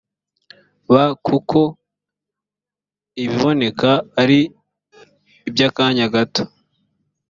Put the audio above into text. b kuko ibiboneka ari iby akanya gato